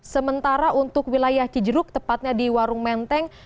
sementara untuk wilayah cijeruk tepatnya di warung menteng